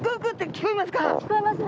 聞こえますね。